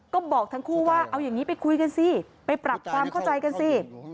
ก็บอกทั้งคู่ว่าเอาอย่างนี้ไปคุยกันสิไปปรับความเข้าใจกันสิ